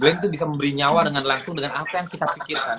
glen itu bisa memberi nyawa dengan langsung dengan apa yang kita pikirkan